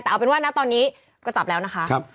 แต่เอาเป็นว่านะตอนนี้ก็จับแล้วนะคะ